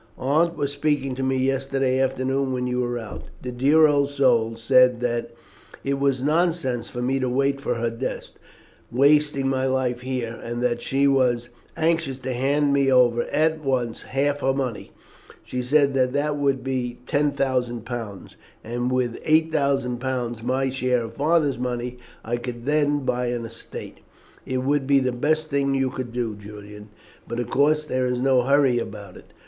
Aunt was speaking to me yesterday afternoon when you were out. The dear old soul said that it was nonsense for me to wait for her death, wasting my life here, and that she was anxious to hand me over at once half her money. She said that that would be £10,000, and with the £8,000 my share of father's money I could then buy an estate." "It would be the best thing you could do, Julian, but, of course, there is no hurry about it.